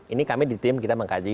ini kami di tim kita mengkaji